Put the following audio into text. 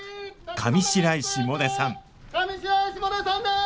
上白石萌音さんです！